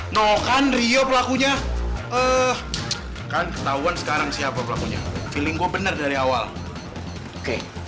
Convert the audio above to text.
noh kan rio pelakunya eh kan ketahuan sekarang siapa pelakunya feeling gua bener dari awal oke